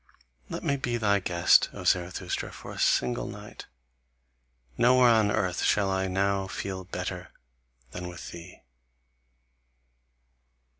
Let me be thy guest, O Zarathustra, for a single night! Nowhere on earth shall I now feel better than with thee!"